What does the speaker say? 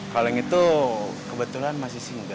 kalo yang itu kebetulan masih single